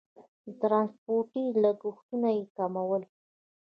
د ټرانسپورتي لګښتونه یې کمول.